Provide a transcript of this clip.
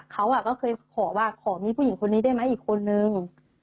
เขาก็เคยขอว่าขอมีผู้หญิงคนนี้ได้ไหมอีกคนนึง